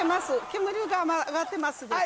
煙が上がってますでしょ